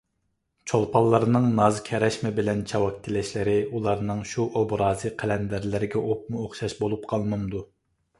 چولپانلارنىڭ ناز ـ كەرەشمە بىلەن چاۋاك تىلەشلىرى، ئۇلارنىڭ شۇ ئوبرازى قەلەندەرلەرگە ئوپمۇئوخشاش بولۇپ قالمامدۇ!